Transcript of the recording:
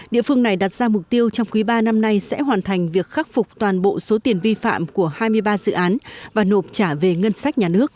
địa phương này đặt ra mục tiêu trong quý ba năm nay sẽ hoàn thành việc khắc phục toàn bộ số tiền vi phạm của hai mươi ba dự án và nộp trả về ngân sách nhà nước